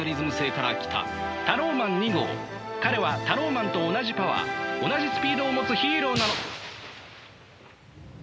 彼はタローマンと同じパワー同じスピードを持つヒーローなの。